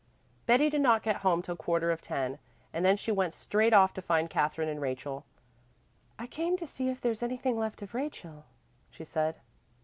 Betty did not get home till quarter of ten, and then she went straight off to find Katherine and Rachel. "I came to see if there's anything left of Rachel," she said.